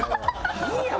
いいやん！